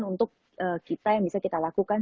untuk kita yang bisa kita lakukan